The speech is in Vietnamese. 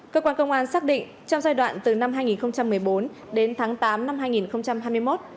cơ quan công an xác định trong giai đoạn từ năm hai nghìn một mươi bốn đến tháng tám năm hai nghìn hai mươi một